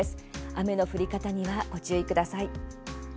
雨の降り方には、ご注意ください。